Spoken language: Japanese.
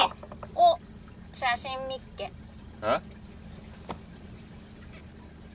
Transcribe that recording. おっ写真見っけえっ？